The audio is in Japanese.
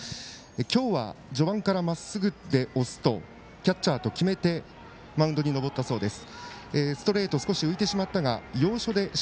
今日は序盤からまっすぐで押すとキャッチャーと決めてマウンドに登ったそうです。